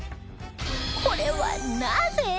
これはなぜ？